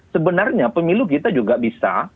sebenarnya pemilu kita juga bisa